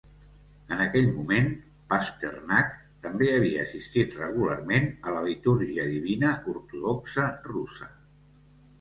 En aquell moment, Pasternak també havia assistit regularment a la litúrgia divina ortodoxa russa.